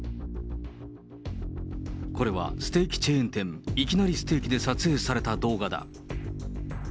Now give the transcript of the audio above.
これはステーキ―チェーン店、いきなりステーキで撮影された動画だ。